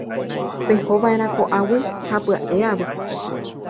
Pehóva'erã ko'águi ha pya'e ave.